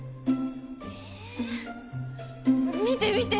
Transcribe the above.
見て見て。